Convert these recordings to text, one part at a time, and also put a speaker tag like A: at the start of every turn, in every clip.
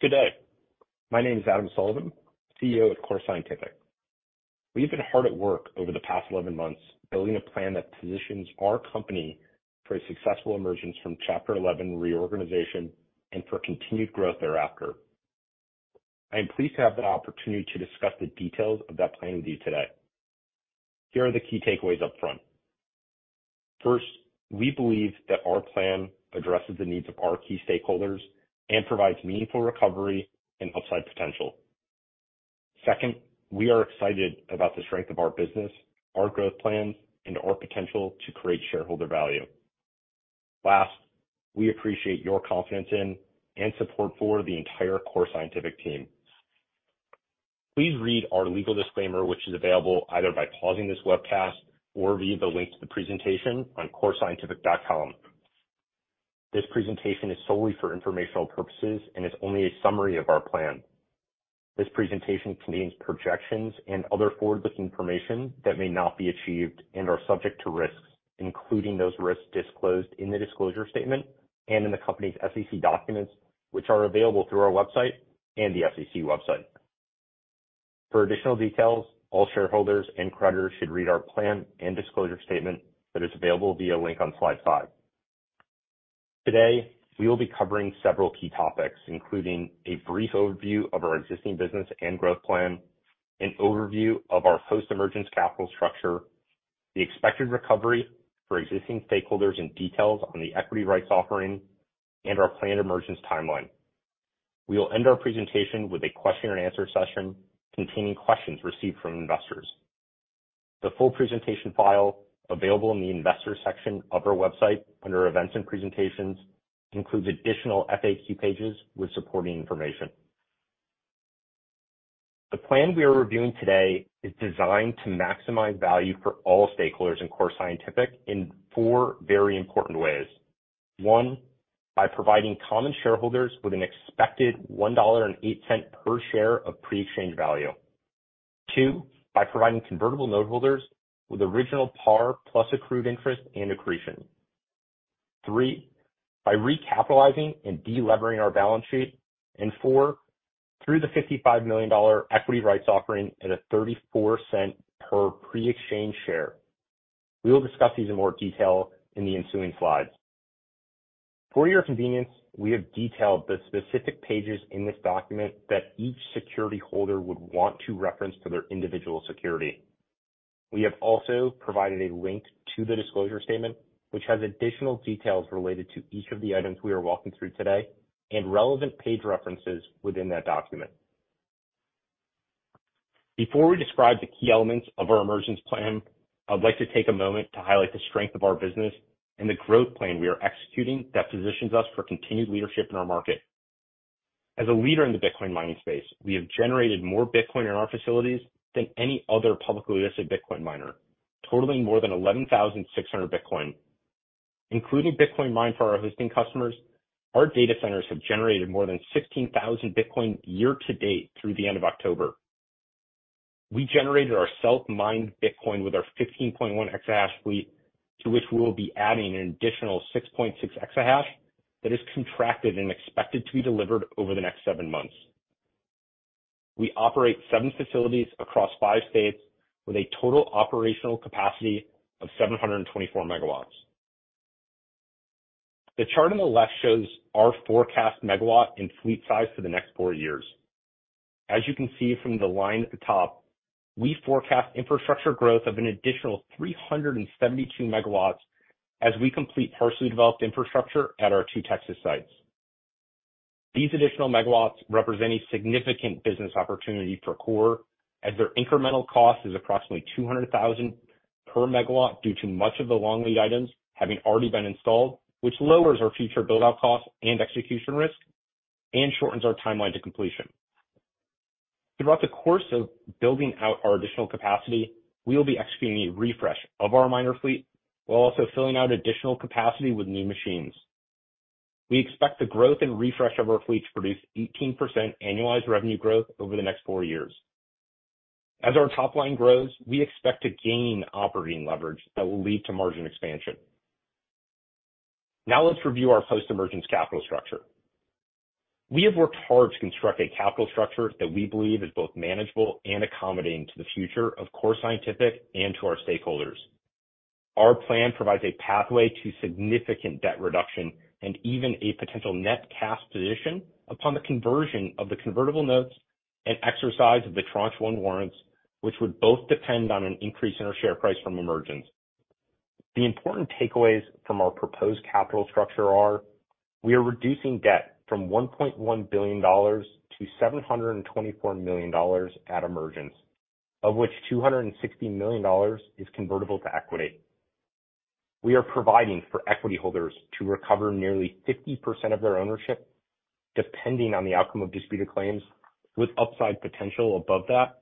A: Good day. My name is Adam Sullivan, CEO of Core Scientific. We've been hard at work over the past 11 months, building a plan that positions our company for a successful emergence from Chapter 11 reorganization and for continued growth thereafter. I am pleased to have the opportunity to discuss the details of that plan with you today. Here are the key takeaways up front. First, we believe that our plan addresses the needs of our key stakeholders and provides meaningful recovery and upside potential. Second, we are excited about the strength of our business, our growth plans, and our potential to create shareholder value. Last, we appreciate your confidence in and support for the entire Core Scientific team. Please read our legal disclaimer, which is available either by pausing this webcast or via the link to the presentation on corescientific.com. This presentation is solely for informational purposes and is only a summary of our plan. This presentation contains projections and other forward-looking information that may not be achieved and are subject to risks, including those risks disclosed in the disclosure statement and in the company's SEC documents, which are available through our website and the SEC website. For additional details, all shareholders and creditors should read our plan and disclosure statement that is available via link on slide five. Today, we will be covering several key topics, including a brief overview of our existing business and growth plan, an overview of our post-emergence capital structure, the expected recovery for existing stakeholders and details on the Equity Rights Offering, and our planned emergence timeline. We will end our presentation with a question and answer session containing questions received from investors. The full presentation file, available in the investor section of our website under Events and Presentations, includes additional FAQ pages with supporting information. The plan we are reviewing today is designed to maximize value for all stakeholders in Core Scientific in four very important ways. One, by providing common shareholders with an expected $1.08 per share of pre-exchange value. Two, by providing convertible noteholders with original par plus accrued interest and accretion. Three, by recapitalizing and de-levering our balance sheet. And four, through the $55 million Equity Rights Offering at a $0.34 per pre-exchange share. We will discuss these in more detail in the ensuing slides. For your convenience, we have detailed the specific pages in this document that each security holder would want to reference to their individual security. We have also provided a link to the disclosure statement, which has additional details related to each of the items we are walking through today, and relevant page references within that document. Before we describe the key elements of our emergence plan, I'd like to take a moment to highlight the strength of our business and the growth plan we are executing that positions us for continued leadership in our market. As a leader in the Bitcoin mining space, we have generated more Bitcoin in our facilities than any other publicly listed Bitcoin miner, totaling more than 11,600 Bitcoin. Including Bitcoin mined for our hosting customers, our data centers have generated more than 16,000 Bitcoin year to date through the end of October. We generated our self-mined Bitcoin with our 15.1 EH/s fleet, to which we will be adding an additional 6.6 EH/s that is contracted and expected to be delivered over the next seven months. We operate seven facilities across five states with a total operational capacity of 724 MW. The chart on the left shows our forecast megawatt and fleet size for the next 4 years. As you can see from the line at the top, we forecast infrastructure growth of an additional 372 MW as we complete partially developed infrastructure at our 2 Texas sites. These additional megawatts represent a significant business opportunity for Core, as their incremental cost is approximately $200,000 per megawatt due to much of the long lead items having already been installed, which lowers our future build-out costs and execution risk and shortens our timeline to completion. Throughout the course of building out our additional capacity, we will be executing a refresh of our miner fleet while also filling out additional capacity with new machines. We expect the growth and refresh of our fleet to produce 18% annualized revenue growth over the next four years. As our top line grows, we expect to gain operating leverage that will lead to margin expansion. Now let's review our post-emergence capital structure. We have worked hard to construct a capital structure that we believe is both manageable and accommodating to the future of Core Scientific and to our stakeholders. Our plan provides a pathway to significant debt reduction and even a potential net cash position upon the conversion of the convertible notes and exercise of the Tranche One warrants, which would both depend on an increase in our share price from emergence. The important takeaways from our proposed capital structure are: we are reducing debt from $1.1 billion-$724 million at emergence, of which $260 million is convertible to equity. We are providing for equity holders to recover nearly 50% of their ownership, depending on the outcome of disputed claims, with upside potential above that,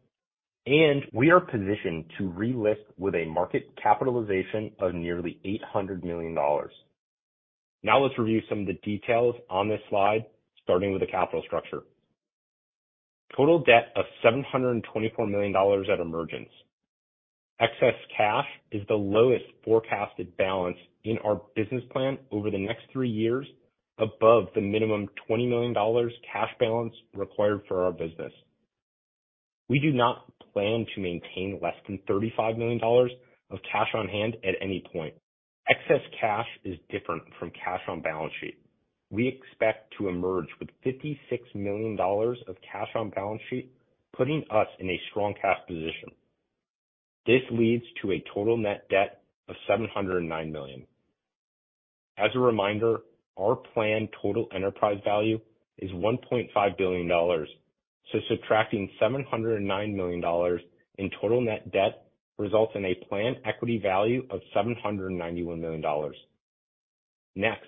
A: and we are positioned to relist with a market capitalization of nearly $800 million. Now, let's review some of the details on this slide, starting with the capital structure....Total debt of $724 million at emergence. Excess cash is the lowest forecasted balance in our business plan over the next three years, above the minimum $20 million cash balance required for our business. We do not plan to maintain less than $35 million of cash on hand at any point. Excess cash is different from cash on balance sheet. We expect to emerge with $56 million of cash on balance sheet, putting us in a strong cash position. This leads to a total net debt of $709 million. As a reminder, our planned Total Enterprise Value is $1.5 billion, so subtracting $709 million in total net debt results in a planned equity value of $791 million. Next,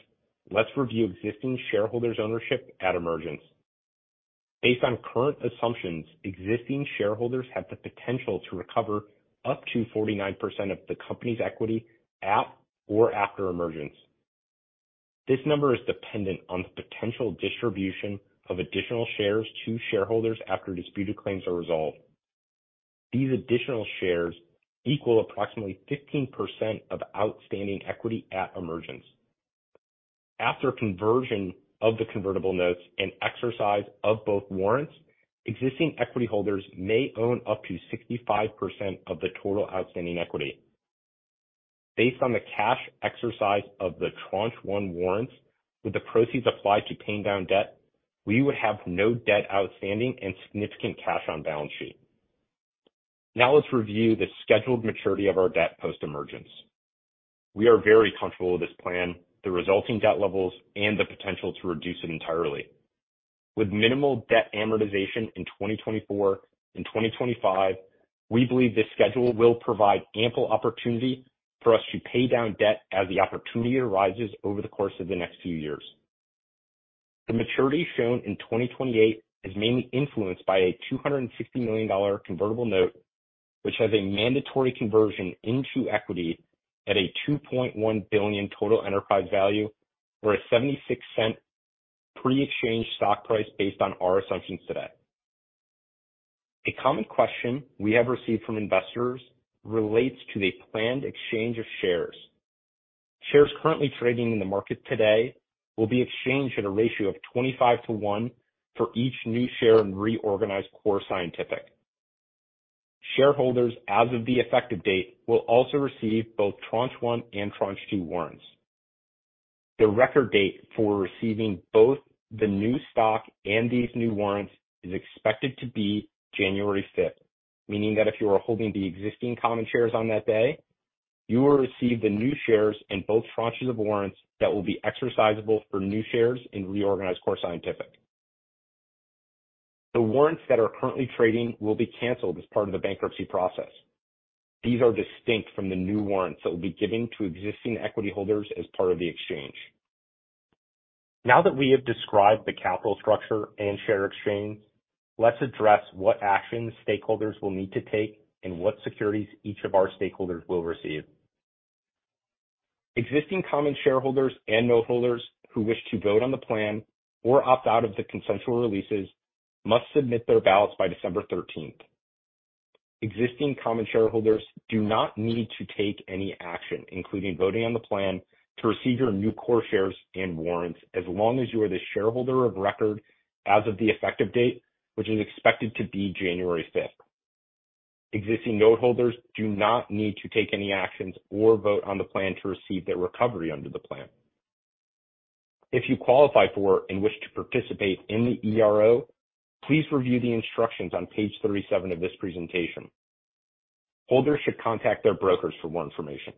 A: let's review existing shareholders ownership at emergence. Based on current assumptions, existing shareholders have the potential to recover up to 49% of the company's equity at or after emergence. This number is dependent on the potential distribution of additional shares to shareholders after disputed claims are resolved. These additional shares equal approximately 15% of outstanding equity at emergence. After conversion of the convertible notes and exercise of both warrants, existing equity holders may own up to 65% of the total outstanding equity. Based on the cash exercise of the Tranche One warrants, with the proceeds applied to paying down debt, we would have no debt outstanding and significant cash on balance sheet. Now, let's review the scheduled maturity of our debt post-emergence. We are very comfortable with this plan, the resulting debt levels, and the potential to reduce it entirely. With minimal debt amortization in 2024 and 2025, we believe this schedule will provide ample opportunity for us to pay down debt as the opportunity arises over the course of the next few years. The maturity shown in 2028 is mainly influenced by a $260 million convertible note, which has a mandatory conversion into equity at a $2.1 billion Total Enterprise Value or a $0.76 pre-exchange stock price based on our assumptions today. A common question we have received from investors relates to the planned exchange of shares. Shares currently trading in the market today will be exchanged at a ratio of 25-to-1 for each new share in reorganized Core Scientific. Shareholders, as of the effective date, will also receive both Tranche One and Tranche Two warrants. The record date for receiving both the new stock and these new warrants is expected to be January fifth, meaning that if you are holding the existing common shares on that day, you will receive the new shares in both tranches of warrants that will be exercisable for new shares in reorganized Core Scientific. The warrants that are currently trading will be canceled as part of the bankruptcy process. These are distinct from the new warrants that will be given to existing equity holders as part of the exchange. Now that we have described the capital structure and share exchange, let's address what actions stakeholders will need to take and what securities each of our stakeholders will receive. Existing common shareholders and note holders who wish to vote on the plan or opt out of the consensual releases must submit their ballots by December thirteenth. Existing common shareholders do not need to take any action, including voting on the plan, to receive your new Core shares and warrants as long as you are the shareholder of record as of the effective date, which is expected to be January 5th. Existing note holders do not need to take any actions or vote on the plan to receive their recovery under the plan. If you qualify for and wish to participate in the ERO, please review the instructions on Page 37 of this presentation. Holders should contact their brokers for more information.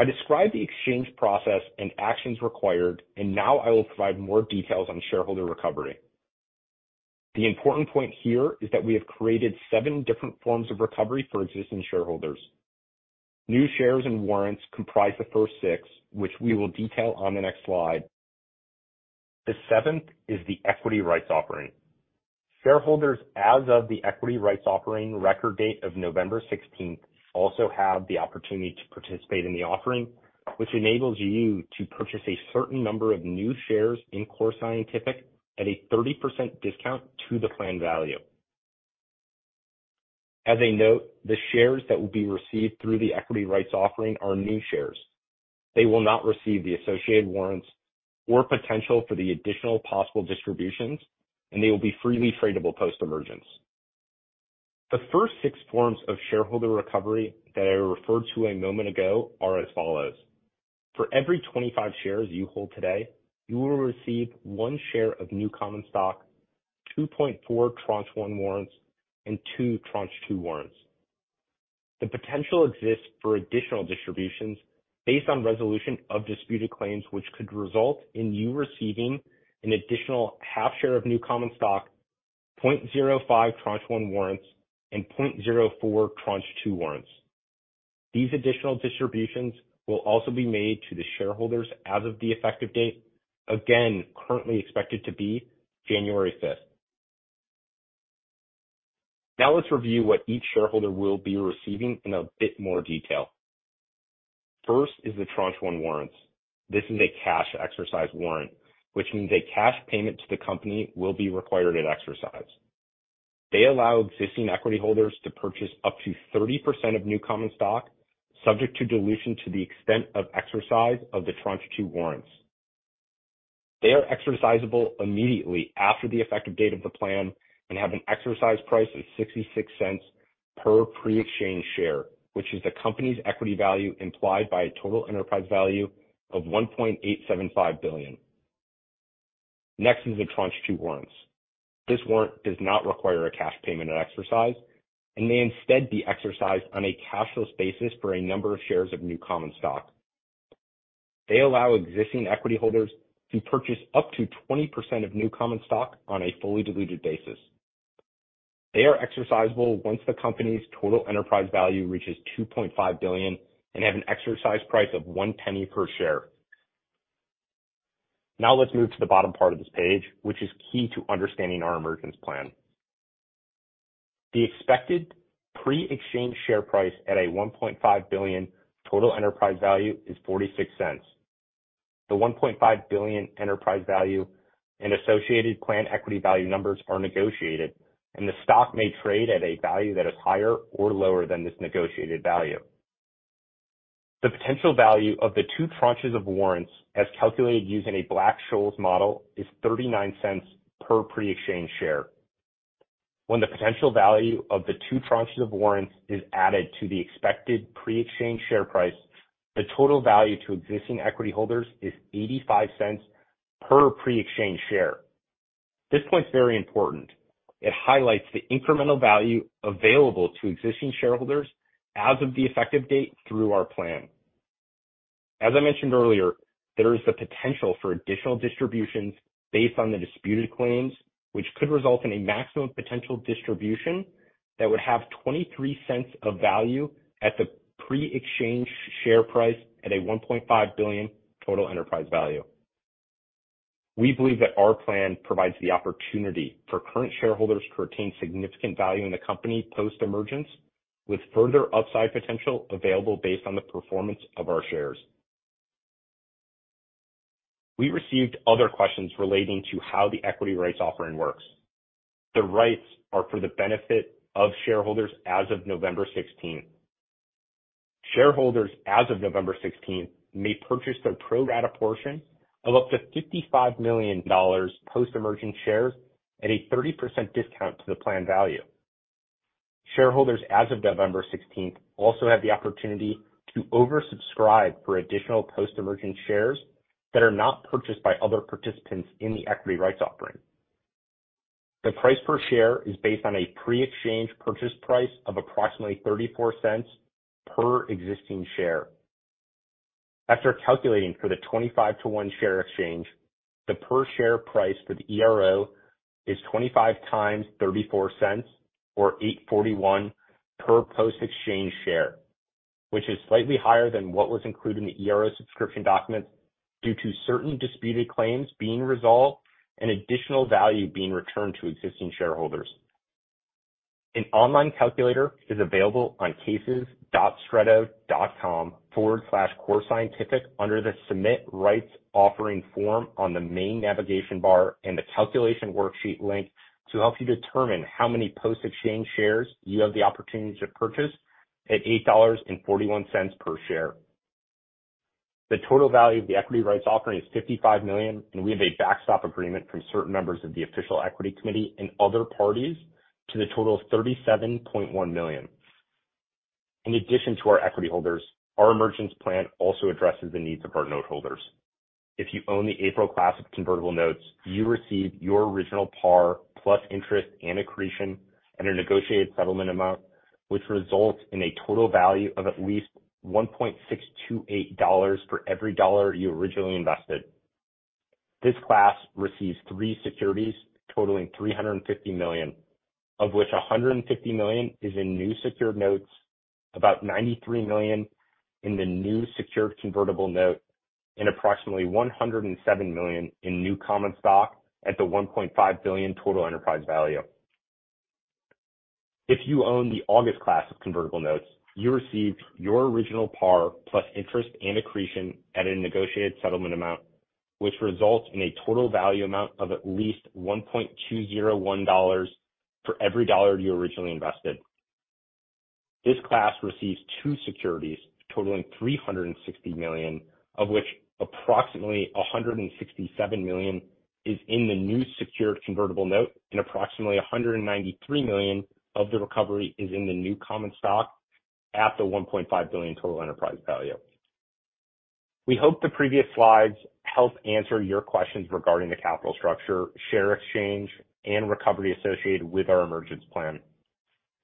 A: I described the exchange process and actions required, and now I will provide more details on shareholder recovery. The important point here is that we have created seven different forms of recovery for existing shareholders. New shares and warrants comprise the first six, which we will detail on the next slide. The seventh is the Equity Rights Offering. Shareholders as of the Equity Rights Offering record date of November 16th also have the opportunity to participate in the offering, which enables you to purchase a certain number of new shares in Core Scientific at a 30% discount to the planned value. As a note, the shares that will be received through the Equity Rights Offering are new shares. They will not receive the associated warrants or potential for the additional possible distributions, and they will be freely tradable post-emergence. The first six forms of shareholder recovery that I referred to a moment ago are as follows: For every 25 shares you hold today, you will receive one share of new common stock, 2.4 Tranche One warrants, and two Tranche Two warrants. The potential exists for additional distributions based on resolution of disputed claims, which could result in you receiving an additional 0.5 share of new common stock, 0.05 Tranche One warrants, and 0.04 Tranche Two warrants. These additional distributions will also be made to the shareholders as of the effective date. Again, currently expected to be January 5th. Now let's review what each shareholder will be receiving in a bit more detail. First is the Tranche-One warrants. This is a cash exercise warrant, which means a cash payment to the company will be required at exercise. They allow existing equity holders to purchase up to 30% of new common stock, subject to dilution to the extent of exercise of the Tranche Two warrants. They are exercisable immediately after the effective date of the plan and have an exercise price of $0.66 per pre-exchange share, which is the company's equity value implied by a Total Enterprise Value of $1.875 billion. Next is the Tranche Two warrants. This warrant does not require a cash payment at exercise and may instead be exercised on a cashless basis for a number of shares of new common stock. They allow existing equity holders to purchase up to 20% of new common stock on a fully diluted basis. They are exercisable once the company's Total Enterprise Value reaches $2.5 billion and have an exercise price of $0.01 per share. Now let's move to the bottom part of this page, which is key to understanding our emergence plan. The expected pre-exchange share price at a $1.5 billion Total Enterprise Value is $0.46. The $1.5 billion enterprise value and associated plan equity value numbers are negotiated, and the stock may trade at a value that is higher or lower than this negotiated value. The potential value of the two tranches of warrants, as calculated using a Black-Scholes model, is $0.39 per pre-exchange share. When the potential value of the two tranches of warrants is added to the expected pre-exchange share price, the total value to existing equity holders is $0.85 per pre-exchange share. This point is very important. It highlights the incremental value available to existing shareholders as of the effective date through our plan. As I mentioned earlier, there is the potential for additional distributions based on the disputed claims, which could result in a maximum potential distribution that would have $0.23 of value at the pre-exchange share price at a $1.5 billion Total Enterprise Value. We believe that our plan provides the opportunity for current shareholders to retain significant value in the company post-emergence, with further upside potential available based on the performance of our shares. We received other questions relating to how the Equity Rights offering works. The rights are for the benefit of shareholders as of November sixteenth. Shareholders, as of November sixteenth, may purchase their pro rata portion of up to $55 million post-emergent shares at a 30% discount to the plan value. Shareholders, as of November 16, also have the opportunity to oversubscribe for additional post-emergent shares that are not purchased by other participants in the Equity Rights Offering. The price per share is based on a pre-exchange purchase price of approximately $0.34 per existing share. After calculating for the 25 share-1 share exchange, the per share price for the ERO is 25x $0.34, or $8.41 per post-exchange share, which is slightly higher than what was included in the ERO subscription documents due to certain disputed claims being resolved and additional value being returned to existing shareholders. An online calculator is available on cases.stretto.com/corescientific under the Submit Rights Offering form on the main navigation bar and the Calculation Worksheet link to help you determine how many post-exchange shares you have the opportunity to purchase at $8.41 per share. The total value of the Equity Rights Offering is $55 million, and we have a backstop agreement from certain members of the Official Equity Committee and other parties to the total of $37.1 million. In addition to our equity holders, our emergence plan also addresses the needs of our note holders. If you own the April class of Convertible notes, you receive your original par, plus interest and accretion at a negotiated settlement amount, which results in a total value of at least $1.628 for every dollar you originally invested. This class receives three securities totaling $350 million, of which $150 million is in new secured notes, about $93 million in the new secured Convertible note, and approximately $107 million in new common stock at the $1.5 billion Total Enterprise Value. If you own the August class of convertible notes, you received your original par, plus interest and accretion at a negotiated settlement amount, which results in a total value amount of at least $1.201 for every dollar you originally invested. This class receives 2 securities totaling $360 million, of which approximately $167 million is in the new secured convertible note and approximately $193 million of the recovery is in the new common stock at the $1.5 billion Total Enterprise Value. We hope the previous slides helped answer your questions regarding the capital structure, share exchange, and recovery associated with our emergence plan.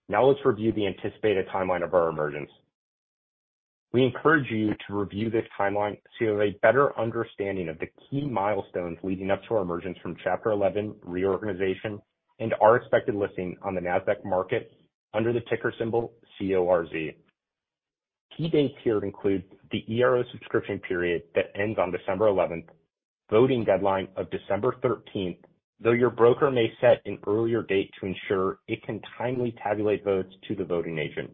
A: Now, let's review the anticipated timeline of our emergence. We encourage you to review this timeline so you have a better understanding of the key milestones leading up to our emergence from Chapter 11 reorganization and our expected listing on the Nasdaq market under the ticker symbol CORZ. Key dates here include the ERO subscription period that ends on December eleventh, voting deadline of December thirteenth, though your broker may set an earlier date to ensure it can timely tabulate votes to the voting agent.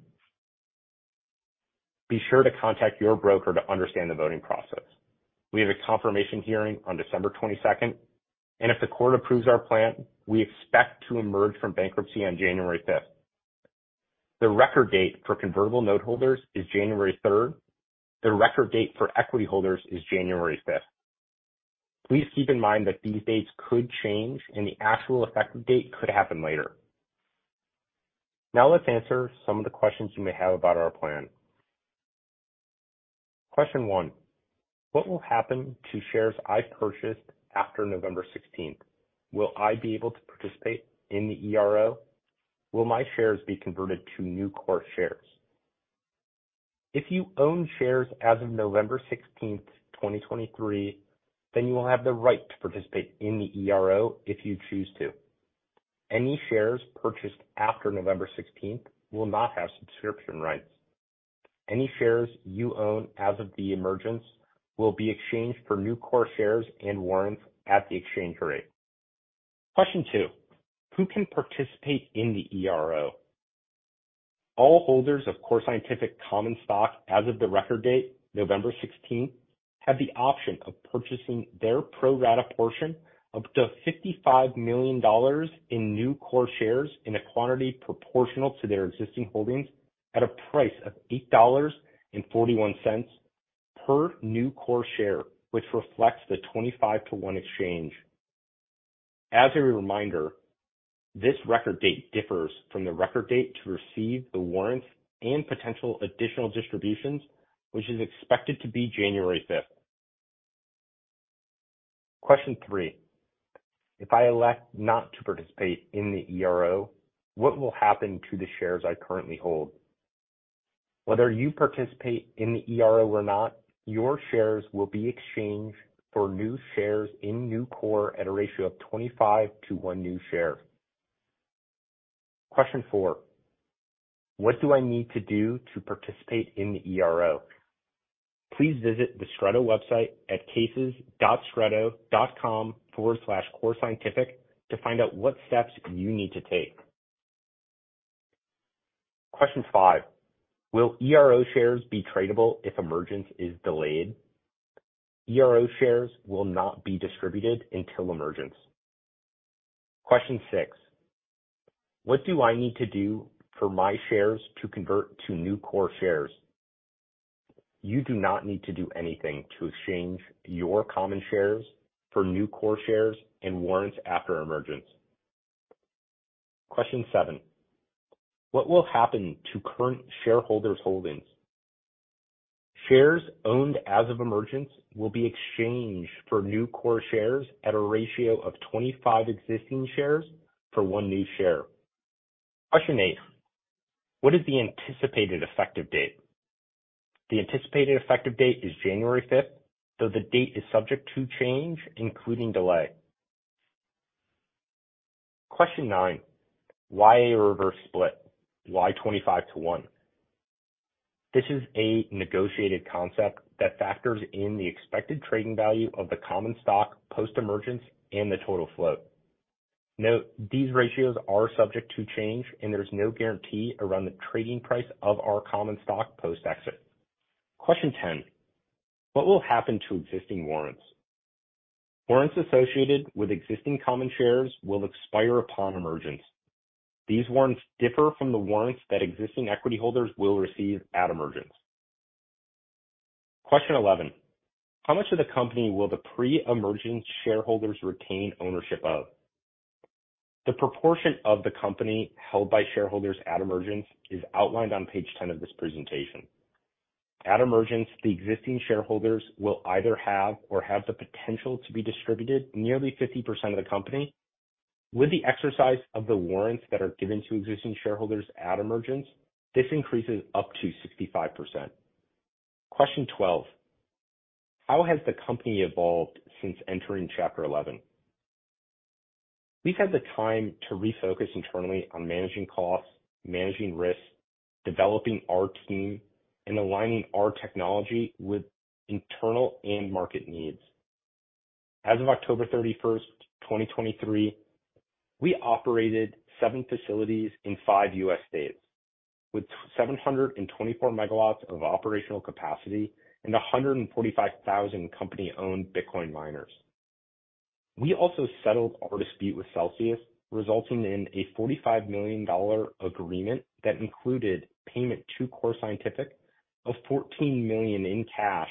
A: Be sure to contact your broker to understand the voting process. We have a confirmation hearing on December 22nd and if the court approves our plan, we expect to emerge from bankruptcy on January 5th. The record date for convertible note holders is January third. The record date for equity holders is January fifth. Please keep in mind that these dates could change and the actual effective date could happen later. Now let's answer some of the questions you may have about our plan. Question one: What will happen to shares I purchased after November 16th? Will I be able to participate in the ERO? Will my shares be converted to new Core shares? If you own shares as of November 16th, 2023, then you will have the right to participate in the ERO if you choose to. Any shares purchased after November 16th will not have subscription rights. Any shares you own as of the emergence will be exchanged for new Core shares and warrants at the exchange rate. Question two: Who can participate in the ERO? All holders of Core Scientific common stock as of the record date, November 16, have the option of purchasing their pro rata portion up to $55 million in new Core shares in a quantity proportional to their existing holdings at a price of $8.41 per new Core share, which reflects the 25-to-1 exchange. As a reminder, this record date differs from the record date to receive the warrants and potential additional distributions, which is expected to be January 5th. Question three: If I elect not to participate in the ERO, what will happen to the shares I currently hold? Whether you participate in the ERO or not, your shares will be exchanged for new shares in New Core at a ratio of 25 share-1 new share. Question four: What do I need to do to participate in the ERO? Please visit the Stretto website at cases.stretto.com/corescientific to find out what steps you need to take. Question five: Will ERO shares be tradable if emergence is delayed? ERO shares will not be distributed until emergence. Question six: What do I need to do for my shares to convert to new Core shares? You do not need to do anything to exchange your common shares for new Core shares and warrants after emergence. Question seven: What will happen to current shareholders' holdings? Shares owned as of emergence will be exchanged for new Core shares at a ratio of 25 existing shares for 1 new share. Question 8: What is the anticipated effective date? The anticipated effective date is January 5th, though the date is subject to change, including delay. Question nine: Why a reverse split? Why 25 share-1 share? This is a negotiated concept that factors in the expected trading value of the common stock, post-emergence and the total float. Note, these ratios are subject to change and there's no guarantee around the trading price of our common stock post-exit. Question 10: What will happen to existing warrants? Warrants associated with existing common shares will expire upon emergence. These warrants differ from the warrants that existing equity holders will receive at emergence. Question 11: How much of the company will the pre-emergent shareholders retain ownership of? The proportion of the company held by shareholders at emergence is outlined on Page 10 of this presentation. At emergence, the existing shareholders will either have or have the potential to be distributed nearly 50% of the company. With the exercise of the warrants that are given to existing shareholders at emergence, this increases up to 65%. Question 12: How has the company evolved since entering Chapter 11? We've had the time to refocus internally on managing costs, managing risks, developing our team, and aligning our technology with internal and market needs. As of October 31st, 2023, we operated seven facilities in five U.S. states, with 724 MW of operational capacity and 145,000 company-owned Bitcoin miners. We also settled our dispute with Celsius, resulting in a $45 million agreement that included payment to Core Scientific of $14 million in cash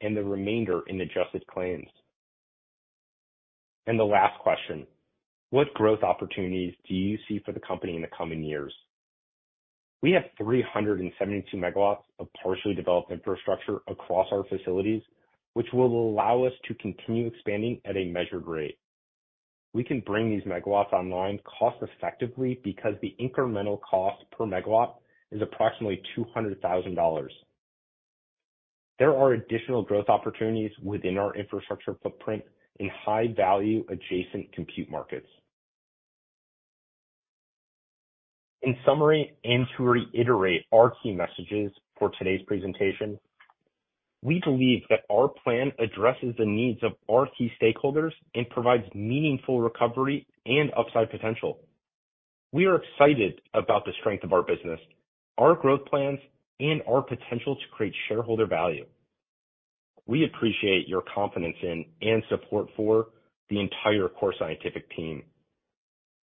A: and the remainder in adjusted claims. And the last question: What growth opportunities do you see for the company in the coming years? We have 372 MW of partially developed infrastructure across our facilities, which will allow us to continue expanding at a measured rate. We can bring these megawatts online cost effectively because the incremental cost per megawatt is approximately $200,000. There are additional growth opportunities within our infrastructure footprint in high-value, adjacent compute markets. In summary, and to reiterate our key messages for today's presentation, we believe that our plan addresses the needs of our key stakeholders and provides meaningful recovery and upside potential. We are excited about the strength of our business, our growth plans, and our potential to create shareholder value. We appreciate your confidence in and support for the entire Core Scientific team.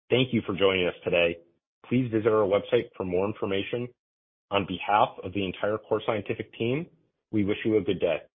A: Thank you for joining us today. Please visit our website for more information. On behalf of the entire Core Scientific team, we wish you a good day.